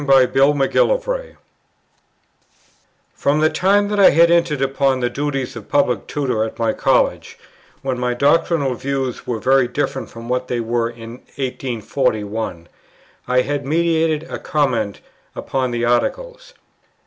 From the time that I had entered upon the duties of Public Tutor at my College, when my doctrinal views were very different from what they were in 1841, I had meditated a comment upon the Articles.